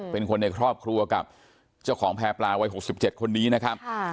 เป็นคนในครอบครัวกับเจ้าของแพร่ปลาวัย๖๗คนนี้นะครับ